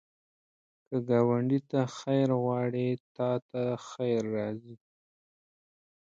که ګاونډي ته خیر غواړې، تا ته خیر راځي